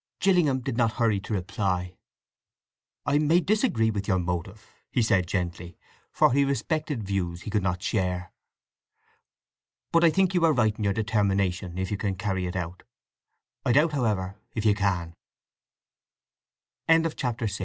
Gillingham did not hurry to reply. "I may disagree with your motive," he said gently, for he respected views he could not share. "But I think you are right in your determination—if you can carry it out. I doubt, however, if you can." Part Fifth AT ALDBRICK